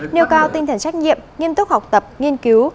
nêu cao tinh thần trách nhiệm nghiêm túc học tập nghiên cứu